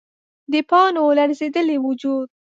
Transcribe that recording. د پاڼو لړزیدلی وجود